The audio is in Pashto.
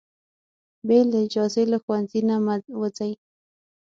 بې له اجازې له ښوونځي نه مه وځئ.